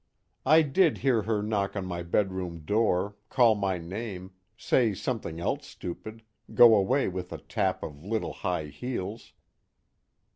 _I did hear her knock on my bedroom door, call my name, say something else stupid, go away with a tap of little high heels.